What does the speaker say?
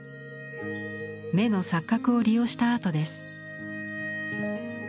目の錯覚を利用したアートです。